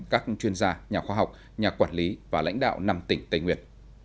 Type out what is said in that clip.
các chuyên gia nhà khoa học nhà quản lý và lãnh đạo năm tỉnh tây nguyên